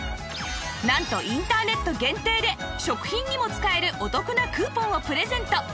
なんとインターネット限定で食品にも使えるお得なクーポンをプレゼント